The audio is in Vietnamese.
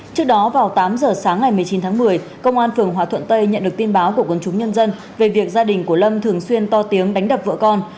trước đó vào tám giờ sáng ngày một mươi chín tháng một mươi công an phường hòa thuận tây nhận được tin báo của quân chúng nhân dân về việc gia đình của lâm thường xuyên to tiếng đánh đập vợ con